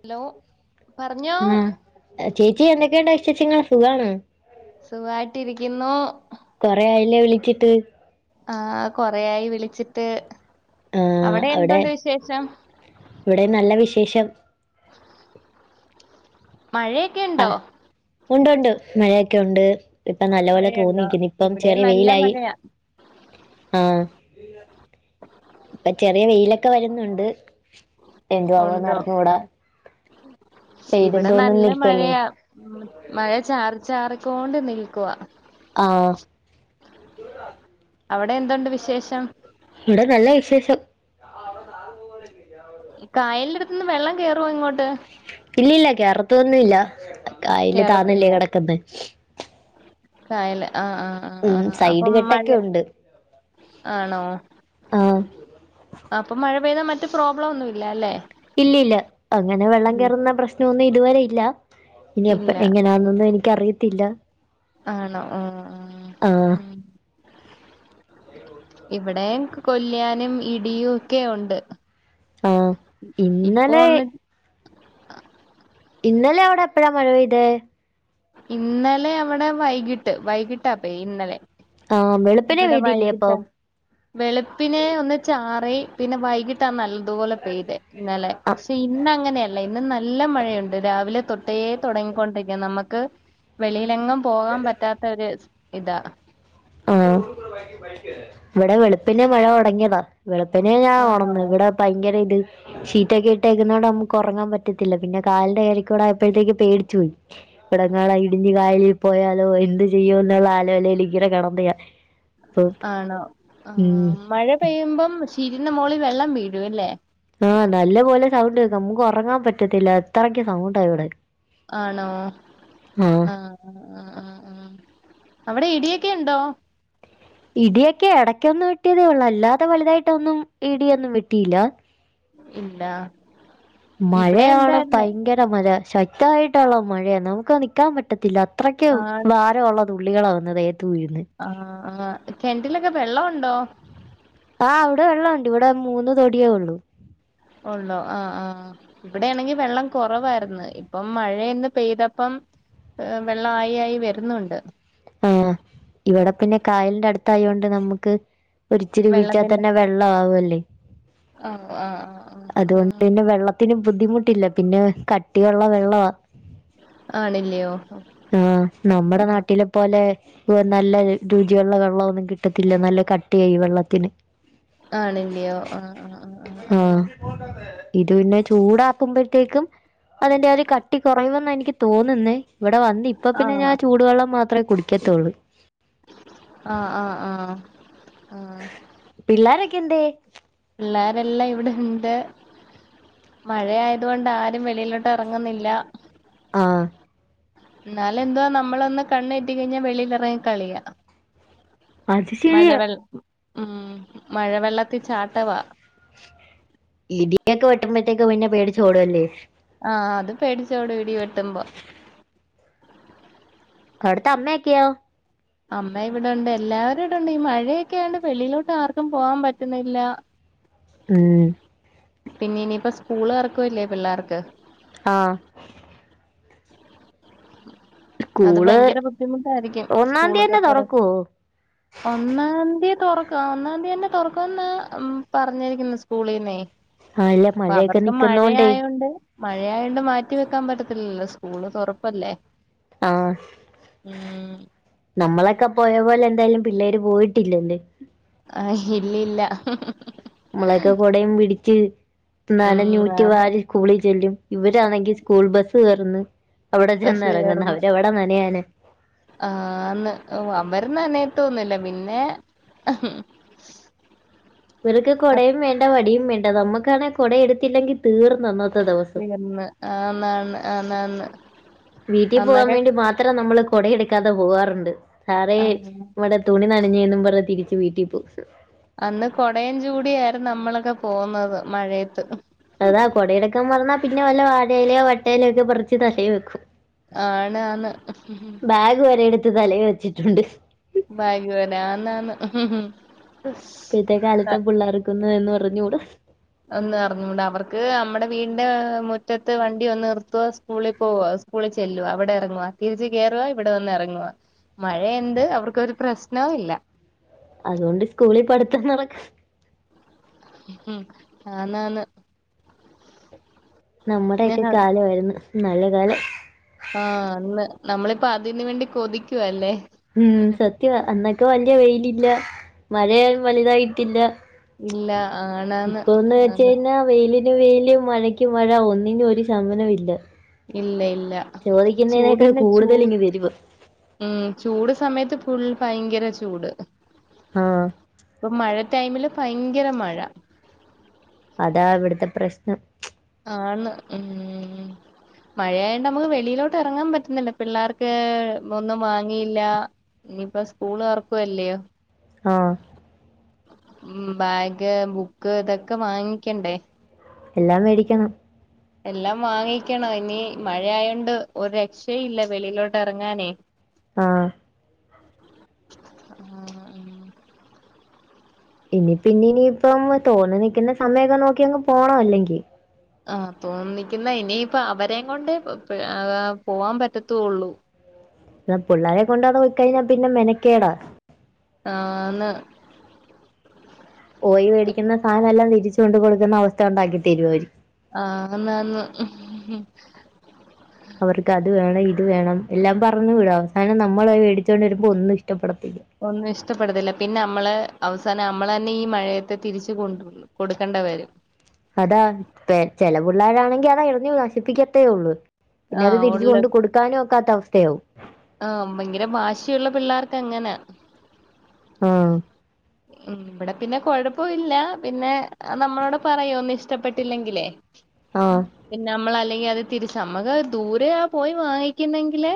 Hello പറഞ്ഞോ ആഹ് ചേച്ചി എന്തൊക്കെയുണ്ട് വിശേഷങ്ങൾ സുഖാണോ? സുഖാവായിട്ടിരിക്കുന്നു കൊറെ ആയില്ലേ വിളിച്ചിട്ട് ആഹ് കൊറെയായി വിളിച്ചിട്ട് ആഹ് അവിടെ എന്തുണ്ട് വിശേഷം ഇവിടെം നല്ല വിശേഷം മഴയെ ആഹ് ഉണ്ട്ണ്ട് മഴയൊക്കെ ഉണ്ട്. ഇപ്പൊ നല്ല പോലെ മഴയുണ്ടോ തോന്നിക്കുന്നു ഇപ്പം ഇവിടെ ചെറിയ നല്ല വെയിലായി മഴയാ ആഹ്. ആ ഇപ്പൊ ചെറിയ വെയിലൊക്കെ വരുന്നുണ്ട്. എന്തുവാവാ ഉണ്ടോ നറിഞ്ഞുകൂടാ പൈതും ഇവിടെ തോർന്ന് നല്ല നിൽക്കല്ലേ. മഴയാ ഉം മഴ ചാറി ചാറിക്കൊണ്ട് നിൽക്കുവാ. ആഹ് അവിടെ എന്തുണ്ട് വിശേഷം. ഇവിടെ നല്ല വിശേഷം. കായലിന്റെ അടുത്തുന്ന് വെള്ളം കേറുവോ ഇങ്ങോട്ട്. ഇല്ലല്ല കേറത്തൊന്നുംല്ല കായല് താന്നല്ലേ കേറത്തില്ല കിടക്കന്നെ കായല് ആഹ് ആഹ്. ആഹ് ഉം ആഹ് സൈഡ് അപ്പം മഴ കെട്ടൊക്കെ ഉണ്ട് ആണോ. ആഹ് അപ്പം മഴ പെയ്താ മറ്റ് പ്രോബ്ലം ഒന്നുല്ലല്ലേ. ഇല്ല ഇല്ല അങ്ങനെ വെള്ളം കയറുന്ന പ്രശ്നംന്നും ഇതുവരെ ഇല്ല ഇനിയെപ്പ ഇല്ല എങ്ങനാന്നൊന്നും എനി ക്കറിയത്തില്ല. ആണോ ആഹ് ആഹ് ഉം ഇവിടെയും കൊല്ലാനും ഇടിയും ഒക്കെ ഉണ്ട്. ആഹ് ഇപ്പൊ ഇന്നലെ. ഒന്ന് ഇന്നലെ അവിടെ എപ്പഴാ മഴ പെയ്തെ ഇന്നലെ അവിടെ വൈകിട്ട് വൈകിട്ടാപ്പേ ഇന്നലെ. ആഹ് വെളുപ്പിനെ ഇവിടെ പൈദില്ലേ വൈകിട്ടാ അപ്പം. വെളുപ്പിനെ ഒന്ന് ചാറി പിന്നെ വൈകിട്ടാ നല് തുപോലെ പെയ്തേ ഇന്നലെ ആ പക്ഷെ ഇന് അങ്ങനെയല്ല ഇന്ന് നല്ല മഴയുണ്ട് രാവിലെ തൊ ട്ടേ തുടങ്ങിക്കൊണ്ടിരിക്കാ നമുക്ക് വെളിയിലെങ്ങും പോകാൻ പറ്റാത്ത ഒരു ഇതാ. ആഹ് ഇവിടെ വെളുപ്പിനെ മഴ തുടങ്ങിയതാ വെളുപ്പിനെ ഞാൻ ആണോ ഓണന്ന് ഇവിടെ. ഭയങ്കരായ്ട് ഷീറ്റൊക്കെ ഇട്ടേക്കുന്നതോടെ നമുക്ക് ഉറങ്ങാൻ പറ്റത്തില്ല പിന്നെ കാലിന്റെ കയരക്കൂടെ ആയപ്പോഴത്തേക്ക് പേടിച്ചു പോയി. ഇവിടെങ്ങാട് ഇടിഞ്ഞ് കായലി പോയാലോ എന്ത് ചെയ്യോന്നുള്ള ആലോലേല് ഇങ്ങനെ കെടന്നെയാ ആണോ ആഹ് മഴ പെയ്യുമ്പം ഷീറ്റിന്റെ മോളി വെള്ളം വീഴും അല്ലേ. ആഹ് നല്ലപോലെ സൗണ്ട് കേക്കും നമ്മക്ക് ഒറങ്ങാൻ പറ്റത്തില്ലാ അത്രക്ക് സൗണ്ടാ ഇവിടെ. ആണോ ആ ആഹ്. ആഹ് ആഹ് ആഹ് അവിടെ ഇടിയൊക്കെ ഉണ്ടോ? ഇടിയൊക്കെ ഇടയ്ക്കൊന്ന് വെട്ടിയതേ ഒള്ളൂ അല്ലാതെ വലുതായിട്ടൊന്നും ഇടിയൊന്നും വെട്ടിയില്ലാ. ഇല്ലാ മഴയാണ് ഭയങ്കര മഴയാ ശക്തായിട്ടൊള്ള മഴയാ നമ്മക്ക് നിക്കാൻ പറ്റത്തില്ലാ അത്രയ്ക്ക് ആഹ് ഭാര ഒള്ള തുള്ളികളാ വന്ന് ദേഹത്ത് വീഴുന്നെ ആഹ് ആഹ് കെണറ്റിലൊക്കെ വെള്ള ഒണ്ടോ? ആഹ് ഇവിടെ വെള്ള ഒണ്ട് ഇവിടെ മൂന്ന് തൊടിയേ ഒള്ളൂ ഒള്ളോ ആഹ് ആഹ്. ഇവിടെയാണെങ്കി വെള്ളം കൊറവായിര്ന്ന് ഇപ്പം മഴയങ്ങ് പെയ്തപ്പം ഏഹ് വെള്ള ആയി ആയി വെര്ന്നൊണ്ട്. ആഹ് ഇവിടെ പിന്നെ കായലിന്റെ അടുത്തായോണ്ട് നമ്മക്ക് ഒരിച്ചിരി കുഴിച്ചാ തന്നെ വെൾ വെള്ള ആവുവല്ലേ. ഓഹ് ആഹ് ആഹ് ആഹ്. അതുകൊണ്ട് ആഹ് പിന്നെ വെള്ളത്തിന് ബുദ്ധിമുട്ടില്ലാ പിന്നെ കട്ടിയൊള്ള വെള്ളവാ. ആണില്ലയോ ആഹ് നമ്മടെ നാട്ടിലെ പോലെ ഓഹ് നല്ല രുചിയൊള്ള വെള്ളവൊന്നും കിട്ടത്തില്ലാ നല്ല കട്ടിയാ ഈ വെള്ളത്തിന്. ആണില്ലയോ ആഹ് ആഹ് ആഹ് ഇത് പിന്നെ ചൂടാക്കുമ്പഴ്ത്തേക്കും അതിന്റെ ആ ഒരു കട്ടി കൊറയുവെന്നാ എനിക്ക് തോന്നുന്നേ ഇവിടെ വന്ന് ഇപ്പ ആഹ് പിന്നെ ആഹ് ഞാൻ ചൂടു വെള്ളം മാത്രെ കുടിക്കത്തുള്ളൂ ആഹ് ആഹ് ആഹ് ആഹ് പിള്ളാരെക്കെന്തിയെ? പിള്ളാരെല്ലാം ഇവിടെണ്ട് മഴയായതുകൊണ്ട് ആരും വെളിയിലോട്ട് എറങ്ങുന്നില്ലാ ആഹ് ഇന്നാലെന്തുവാ നമ്മളൊന്ന് കണ്ണ് തെറ്റി കഴിഞ്ഞാ വെളിയിലെറങ്ങി കളിയാ അത് ശരിയാ മഴവെൾ ആഹ് മഴവെള്ളത്തിൽ ചാട്ടവാ ഇടിയൊക്കെ വെട്ടുമ്പഴ്ത്തേക്ക് പിന്നെ പേടിച്ചോടും അല്ലേ ആഹ് അത് പേടിച്ചോടും ഇടി വെട്ടുമ്പോ അവ്ട്ത്തെ അമ്മയെക്കെയോ? അമ്മ ഇവിടൊണ്ട് എല്ലാവരും ഇവിടൊണ്ട് ഈ മഴയൊക്കെ ആയോണ്ട് വെളിയിലോട്ട് ആർക്കും പോവാൻ പറ്റുന്നില്ലാ ആഹ് പിന്നെ ഇനിയിപ്പം സ്കൂള് തൊറക്കുവല്ലേ പിള്ളേർക്ക് ആഹ് അത് സ്കൂള് ഭയങ്കര ബുദ്ധിമുട്ടായിരിക്കും ഒന്നാം തീ സ്കൂളൊക്കെ തന്നെ തുറ തൊറക്കുവോ? ഒന്നാം തീ തൊറക്കാ ആഹ് ഒന്നാന്തിതന്നെ തൊറക്കുവെന്നാ ഉം പറഞ്ഞിരിക്കുന്നെ സ്കൂളീന്നെ ആഹ് ഇല്ല അപ്പ മഴയൊക്കെ അവർക്ക് മഴ നിക്കുന്നോണ്ടേ ആയോണ്ട് മഴയായോണ്ട് മാറ്റി വെക്കാൻ പറ്റത്തില്ലല്ലോ സ്കൂള് തൊറപ്പല്ലേ ആഹ് ആഹ് നമ്മളൊക്കെ പോയ പോലെ എന്തായാലും പിള്ളേര് പോയിട്ടില്ലല്ലെ ആഹ ഇല്ലില്ല നമ്മളക്കെ കുടയും പിടിച്ച് ഉം നനഞ്ഞൂറ്റി ആന്ന് വാരി സ്കൂളിൽ ചെല്ലും ഇവരാണെങ്കിൽ സ്കൂൾ ബസ് കേർന്ന് അവിടെ ചെന്ന് ബസ് ഇറങ്ങുന്നു കേറുന്ന് അവരവിടാ നനയാന ആന്ന് ഓഹ് അവര് നനയത്തൊന്നില്ല പിന്നെ ഇവർക്ക് കുടയും വേണ്ട വടിയും വേണ്ട നമ്മുക്കാണെ കുട എടുത്തില്ലെങ്കിൽ തീർന്നന്ന് തീർന്ന് ആന്നാണ് ആ നന്ന് വീട്ടിൽ പോകാൻ വേണ്ടി മാത്രം നമ്മള് കുട എടുക്കാതെ പോകാറുണ്ട് സാറേ ആഹ് നമ്മടെ തുണി നനഞ്ഞേെന്നും പറഞ്ഞ് തിരിച്ച് വീട്ടിൽ പോവും അന്ന് കൊടയും ചൂടി ആയായിർന്നു നമ്മളൊക്കെ പോന്നത് മഴയത്ത് അതാ കുടയെട്ക്കാൻ മറന്നാ പിന്നെ വല്ല വാഴയിലയോ വട്ടയിലോ ഒക്കെ പറിച്ച് തലേ വെക്കും ആണാന്ന് ബാഗ് വരെയ്ടുത്ത് തലയി വെച്ചിട്ടുണ്ട് ബാഗ് വരെ ആന്നാന്ന് ഇപ്പഴത്തെ കാലത്ത് പിള്ളേർക്കൊന്നും അത്‌ ഒന്നും അറിഞ്ഞൂടാ ഒന്ന് അറിഞ്ഞൂടാ അവർക്ക് നമ്മടെ വീടിന്റെ മുറ്റത്ത് വണ്ടി വന്ന് നിർത്തുവ സ്കൂളിൽ പോവ സ്കൂളിൽ ചെല്ലുവ അവിടെ ഇറങ്ങുവാ തിരിച്ചു കേറുവ ഇവിടെ വന്ന് ഇറങ്ങുവ മഴ എന്ത് അവർക്കൊരു പ്രശ്നോല്ല അതോണ്ട് സ്കൂളിൽ പഠിത്തം നടക്ക ആന്ന് ആന്ന് നമ്മുടെ ഒക്കെ കാലമായിരുന്നു നല്ല കാലം ആഹ് അന്ന് നമ്മളിപ്പോ അതിന് വേണ്ടി കൊതിക്കുവാ അല്ലേ ആഹ് സത്യവാ അന്നൊക്കെ വല്യ വെയിലില്ല മഴയാലും വലുതായിട്ടില്ല ഇല്ല ആണാന്ന് ഇപ്പൊന്ന് വെച്ച് ആന്ന് കഴിഞ്ഞാ വെയില് ന് വെയില് മഴയ്ക്ക് മഴ ഒന്നിനും ഒരു ശമനം ഇല്ല ഇല്ല ഇല്ല ചോദിക്കുന്നതിനതിനേക്കാൾ കൂടുതൽ ഇങ്ങ് വരുവാ ആഹ് ചൂട് സമയത്ത് ഫുൾ ഭയങ്കര ചൂട് ആഹ ഇപ്പ മഴ ടൈമില് ഭയങ്കര മഴ അതാ ഇവട്ത്തെ പ്രശ്നം ആണ് ഉം മഴയായോണ്ട് നമുക്ക് വെളിയിലോട്ടെറങ്ങാൻ പറ്റ്ന്നില്ല പിള്ളേർക്ക് ഒന്നും വാങ്ങിയില്ല ഇനിയിപ്പ സ്കൂളൊർക്കുവല്ലേ ആഹ് ഉം ബാഗ് ബുക്ക് ഇതൊക്കെ വാങ്ങിക്കണ്ടെ എല്ലാം മേടിക്കണം എല്ലാം വാങ്ങിക്കണം ഇനി മഴയായൊണ്ട് ഒരു രക്ഷയില്ല വെളിയിലോട്ടെറങ്ങാനേ ആഹ് ഇനി ഇപ്പൊ ഇന്ന്ഇനിയിപ്പം തോന്നി നിക്ക്ന്ന സമയൊക്കെ നോക്കിയങ്ങ് പോണല്ലെങ്കി ആഹ് തോന്നിക്കുന്ന ഇനിയിപ്പ അവരെം കൊണ്ട് പോവാൻ പറ്റത്തുള്ളൂ ന്ന് പിള്ളേരെ കൊണ്ട് അവ്ടെ പോയ്ക്കയ്ഞ്ഞാ പിന്നെ മെനക്കേടാ ആന്ന് പോയ് വേടിക്കുന്ന സാനെല്ലാം തിരിച്ച് കൊണ്ട് കൊടുക്ക്ന്ന അവസ്ഥ ഇണ്ടാക്കി തരും അവര് ആറും നാലിലും അവർക്ക് അത് വേണം ഇത് വേണം എല്ലാം പറഞ്ഞു വിടും അവസാനം നമ്മൾ മേടിച്ചോണ്ട് കൊട്ക്കുമ്പോ ഒന്നും ഇഷ്ടപ്പെടത്തില്ല ഒന്നും ഇഷ്ടപ്പെടത്തില്ല പിന്നെ അമ്മള് അവസാനം അമ്മളെന്നെ ഈ മഴയത്ത് തിരിച്ചു കൊണ്ടു പോയ് കൊടുക്കണ്ട വരും. അതാ പെ ചെലപിള്ളേരാണെങ്കി അതെറിഞ്ഞു നശിപ്പിക്കത്തേയുള്ളു. പിന്നെ അത് ആഹ് തിരിച്ച് ഉള്ള കൊണ്ട് കൊടുക്കാനും ഒക്കാത്ത അവസ്ഥയാവും. ആഹ് ഭയങ്കര വാശിയുള്ള പിള്ളേർക്കങ്ങനാ. ആഹ് ഉം ഇവടെ പിന്നെ കൊഴപ്പവില്ല, പിന്നെ നമ്മളോട് പറയും ഒന്നും ഇഷ്ടപ്പെട്ടില്ലെങ്കിലേ. ആഹ് പിന്നെ നമ്മള് അല്ലെങ്കി അത് തിരിച്ച് നമ്മക്ക് ദൂരെ ആ പോയ് വാങ്ങിക്കുന്നെങ്കില്,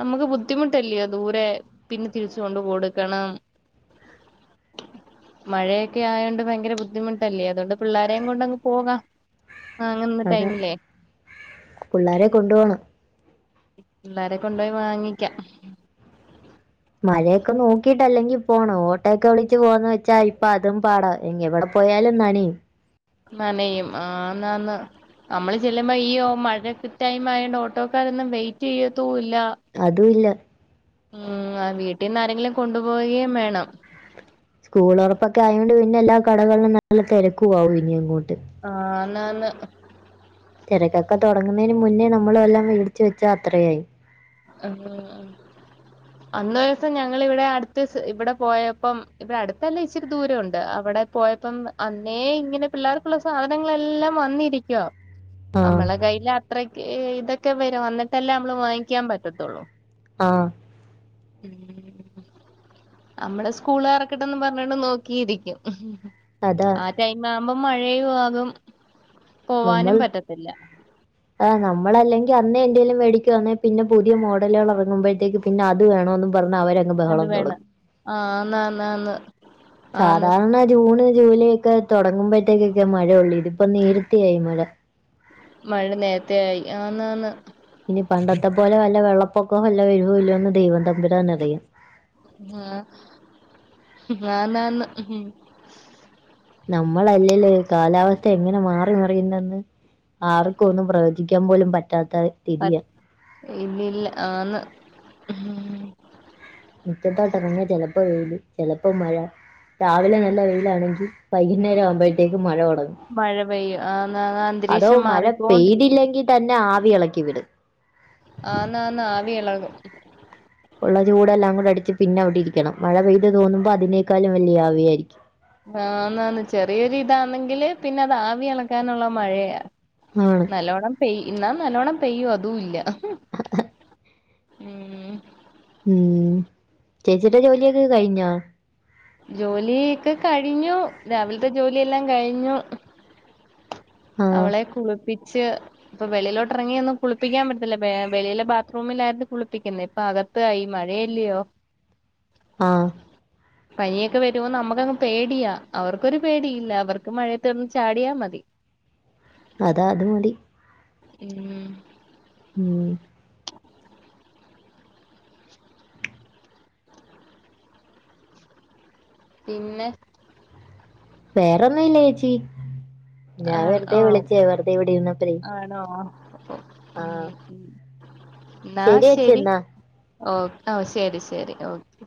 നമുക്ക് ബുദ്ധിമുട്ടല്ല്യൊ ദൂരെ പിന്നെ തിരിച്ച് കൊണ്ട് കൊടുക്കണം. മഴയൊക്കെ ആയോണ്ട് ഭയങ്കര ബുദ്ധിമുട്ടല്ലേ അതുകൊണ്ട് പിള്ളേരെയും കൊണ്ടങ്ങ് പോകാ. വാങ്ങുന്ന ടൈമിലെ, പിള്ളാരെ കൊണ്ടു പോണം. പിള്ളാരെ കൊണ്ടോയി വാങ്ങിക്ക. മഴയൊക്ക നോക്കിട്ടല്ലെങ്കി പോണം. ഓട്ടോയൊക്കെ വിളിച്ച് പോകാന്ന് വെച്ചാ ഇപ്പതും പാടാ. എങ്കിൽ ഇവടെ, പോയാലും നനയും നനയും ആന്നാന്ന്. നമ്മള് ചെല്ലുമ്പ. മഴ ടൈമായോണ്ട് ഓട്ടോക്കാരൊന്നും വെയ്റ്റെയ്യത്തൂല്ല. അതുല്ല. ഉം ആഹ് വീട്ടീന്നാരെങ്കിലും കൊണ്ടു പോവ്കയും വേണം. സ്കൂളൊറപ്പൊക്കായോണ്ട് പിന്നെല്ലാ കടകളിലും നല്ല തെരക്കു ആവും ഇനി അങ്ങോട്ട്. ആന്നാന്ന്. തെരക്കൊക്കെ തൊടങ്ങുന്നയ്ന് മുന്നേ നമ്മളെല്ലാം മേടിച്ച് വച്ച അത്രയായി. ഉം അന്ന് ഒരൂസം ഞങ്ങളിവിടെ അട്ത്ത് ഇവടെ പോയപ്പം, ഇവടട്ത്തല്ല ഇച്ചിരി ദൂരംണ്ട്. അവടെ പോയപ്പം അന്നേ ഇങ്ങനെ പിള്ളേർക്കുള്ള സാനങ്ങളെല്ലാം വന്നിരി ക്കുവാ ആ നമ്മളെ കൈൽ അത്രക്കിതൊക്കെ വരും വന്നിട്ടല്ലേ നമ്മള് വാങ്ങിക്കാൻ പറ്റത്തൊള്ളൂ. ആഹ് [inaudible] നമ്മള് സ്കൂളൊറക്കട്ടെന്നും പറഞ്ഞോണ്ട് നോക്കിയിരിക്കും. അതാ ടൈമാവുമ്പം മഴയുആകും പോവാനും പറ്റത്തില്ല. ആഹ് നമ്മളല്ലെങ്കി അന്നേ എന്തേലും വേടിക്കുവാന്നേ, പിന്നെ പുതിയ മോഡലുകളെർങ്ങുമ്പയത്തേക്ക് പിന്നെ അത് വേണോന്നും പറഞ്ഞ് അവര അത് വേണം ആന്നാന്നാന്ന് ആന്ന് സാധാരണ ജൂണ് ജൂലൈ ഒക്കെ തുടങ്ങുമ്പോഴത്തേക്ക് മഴയോള്ളൂ ഇതിപ്പോ നേരത്തേ ആയി മഴ മഴ നേരത്ത ആയി ആന്ന് ആന്ന് ഇനി പണ്ടത്തെ പോലെ വല്ല വെള്ളപ്പൊക്കോം വല്ലും വരുവോന്ന് ദൈവം തമ്പുരാന്നറിയാം ആഹ്‌ ആന്നാന്ന് നമ്മളല്ലേല്ലോ കാലാവസ്ഥങ്ങനെ മാറി മറയുന്നെന്ന് ആർക്കൊന്നും ഒന്നും പ്രവചിക്കാൻ പോലും പറ്റാത്ത സ്ഥിതിയാ ഇല്ലില്ല ആന്ന് മുറ്റതോട്ടിറങ്ങിയ ചെലപ്പോ വെയില് ചെലപ്പോ മഴ രാവിലെ നല്ല വെയിലാണെങ്കിൽ വൈകുന്നേരവാകുമ്പോഴത്തേക്ക് മഴ തുടങ്ങും മഴ പെയ്യും ആന്ന് അതോ അന്തരീക്ഷം മഴ മാറിക്കൊണ്ടിരിക്കും പെയ്തില്ലെങ്കിൽ തന്നെ ആവി ഇളക്കി വിട് ആന്നാന്ന് ആവി ഇളകും ഒള്ള ചൂടെല്ലാം കൂടെ അടിച്ച് പിന്നെ അവിടിരിക്കണം മഴ പെയ്ത് തോർന്നുമ്പോ അതിനേക്കാലും വലിയ ആവിയായിരിക്കും ആന്നാന്ന് ചെറിയൊരു ഇതാന്നെങ്കില് പിന്നെ അത് ആവി അളക്കാനുള്ള മഴയാ ആണ് നല്ലോണം പെയ്യ് ഇന്നാ നല്ലോണം പെയ്യോ അതുവില്ല ഉം ഉം ചേച്ചിയിടെ ജോലിയൊക്കെ കഴിഞ്ഞോ? ജോലി ഒക്കെ കഴിഞ്ഞു രാവിൽത്തെ ജോലിയെല്ലാം കഴിഞ്ഞു ആ അവളെ കുളിപ്പിച്ച് ഇപ്പൊ വെളിയിലോട്ട് എറങ്ങിയൊന്നും കുളിപ്പിക്കാ പറ്റത്തില്ല വെളിയിലെ ബാത്റൂമിലായിയിരുന്നു കുളിപ്പിക്കുന്നെ ഇപ്പൊ അക ത്തായി മഴയല്ല്യോ? ആഹ്‌ പനിയൊക്കെ വരുവോ നമക്കങ്ങ് പേടിയാ അവർക്കൊരു പേടിയില്ല അവർക്ക് മഴയെത്ത് കെടന്ന്‌ ചാടിയാ മതി അത അതു മതി ഉം ഉം പിന്നെ? വേറൊന്നുവില്ല ചേച്ചി ഞാ ആ വെറുതെ ഓ വിളിച്ചയാ വെറുതെ ഇവിടെ ഇര്ന്നപ്പയേ ആണോ ഉം ഉം ഇന്നാ ചേച്ചി ശരി എന്നാ ഓഹ്‌ ശരി ശരി ഓക്കെ